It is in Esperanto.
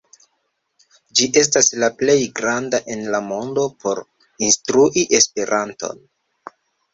Ĝi estas la plej granda en la mondo por instrui Esperanton.